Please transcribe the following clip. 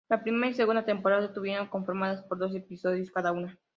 La primera y segunda temporadas estuvieron conformadas por doce episodios cada una.